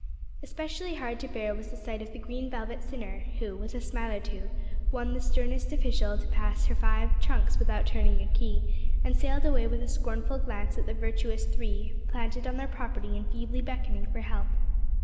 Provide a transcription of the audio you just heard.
Especially hard to bear was the sight of the green velvet sinner, who, with a smile or two, won the sternest official to pass her five trunks without turning a key, and sailed away with a scornful glance at the virtuous Three planted on their property and feebly beckoning for help.